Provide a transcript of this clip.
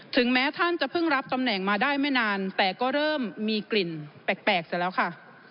แม้ท่านจะเพิ่งรับตำแหน่งมาได้ไม่นานแต่ก็เริ่มมีกลิ่นแปลกเสร็จแล้วค่ะ